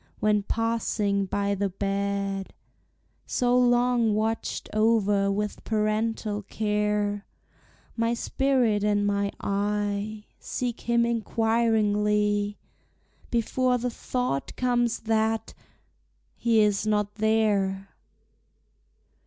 When passing by the bed, So long watched over with parental care, My spirit and my eye Seek him inquiringly, Before the thought comes, that he is not there!